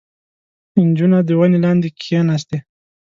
• نجونه د ونې لاندې کښېناستې.